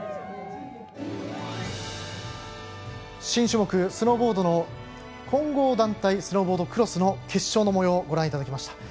新種目スノーボードの混合団体スノーボードクロスの決勝のもようご覧いただきました。